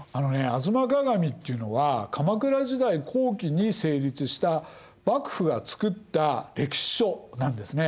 「吾妻鏡」っていうのは鎌倉時代後期に成立した幕府が作った歴史書なんですね。